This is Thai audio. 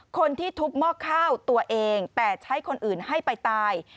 คนที่ทุบหม้อข้าวตัวเองแต่ใช้คนอื่นให้ไปตาย